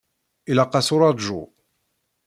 Ilaq-as uraǧu.